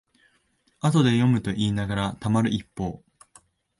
後で読むといいながらたまる一方